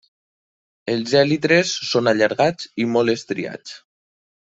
Els èlitres són allargats i molt estriats.